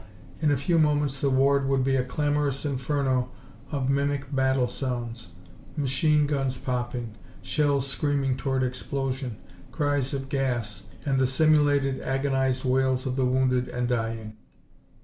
In a few moments the ward would be a clamorous inferno of mimic battle sounds machine guns popping, shells screaming toward explosion, cries of gas, and the simulated agonized wails of the wounded and dying.